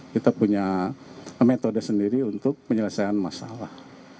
kita punya metode sendiri untuk penyelesaian masalah